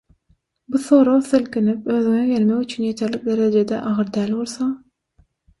Bu sorag silkinip özüňe gelmek üçin ýeterlik derejede agyr däl bolsa